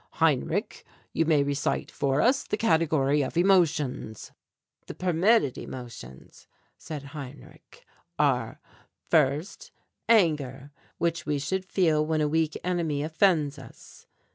Heinrich, you may recite for us the category of emotions." "The permitted emotions," said Heinrich, "are: First, anger, which we should feel when a weak enemy offends us.